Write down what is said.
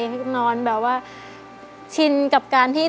ทั้งในเรื่องของการทำงานเคยทำนานแล้วเกิดปัญหาน้อย